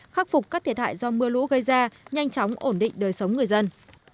khắc phục các thiệt hại do mưa lũ gây ra nhanh chóng ổn định đời sống người dân